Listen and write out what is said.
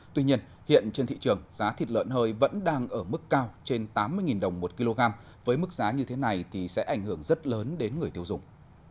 tuy nhiên hiện trên thị trường giá thịt lợn hơi vẫn đang ở mức cao trên tám mươi đồng một kg với mức giá như thế này thì sẽ ảnh hưởng rất lớn đến người tiêu dùng